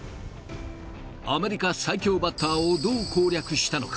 アメリカ最強バッターをどう攻略したのか。